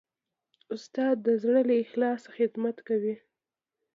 استاد د زړه له اخلاصه خدمت کوي.